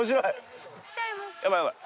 やばいやばい。